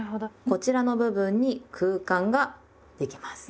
こちらの部分に空間ができます。